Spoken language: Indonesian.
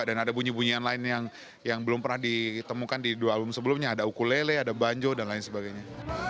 dan ada bunyi bunyian lain yang belum pernah ditemukan di dua album sebelumnya ada ukulele ada banjo dan lain sebagainya